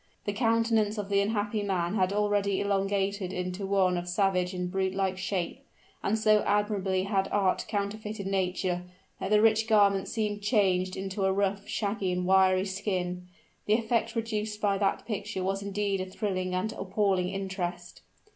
The countenance of the unhappy man had already elongated into one of savage and brute like shape; and so admirably had art counterfeited nature, that the rich garments seemed changed into a rough, shaggy, and wiry skin! The effect produced by that picture was indeed of thrilling and appalling interest!